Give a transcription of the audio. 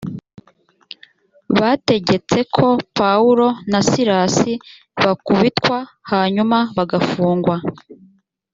bategetse ko pawulo na silasi bakubitwa hanyuma bagafungwa